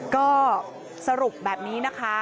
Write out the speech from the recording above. ก็สรุปแบบนี้นะคะ